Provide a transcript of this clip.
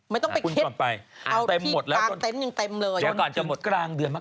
ไม่ต้องไปเคล็ดเอาที่กลางเต็มอย่างเต็มเลย